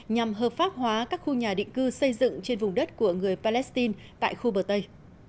nhằm hợp pháp hóa các khu nhà định cư xây dựng trên vùng đất của người palestine tại khu bờ tây